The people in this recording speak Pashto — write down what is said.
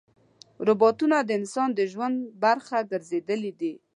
روبوټونه د انسان د ژوند برخه ګرځېدلي دي.